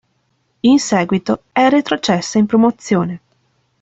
In seguito è retrocessa in Promozione.